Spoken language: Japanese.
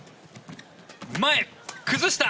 前、崩した。